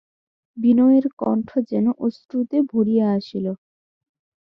বিনয়ের কণ্ঠ যেন অশ্রুতে ভরিয়া আসিল।